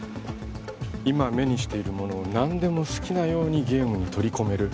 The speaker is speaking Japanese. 今目にしているものを何でも好きなようにゲームに取り込める